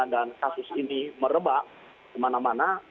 dan kasus ini merebak kemana mana